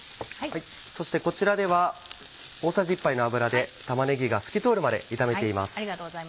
そしてこちらでは大さじ１杯の油で玉ねぎが透き通るまで炒めています。